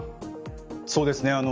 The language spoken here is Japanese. そうですね。